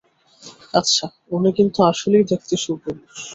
আচ্ছা, উনি কিন্তু আসলেই দেখতে সুপুরুষ।